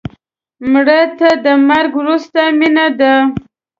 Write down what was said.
مړه ته د مرګ وروسته مینه ده